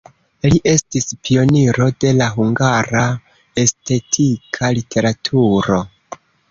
Li estis pioniro de la hungara estetika literaturo.